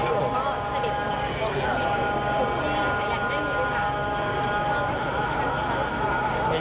ตอนนี้เป็นครั้งหนึ่งครั้งหนึ่ง